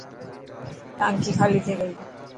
ٽانڪي خالي ٿي گئي.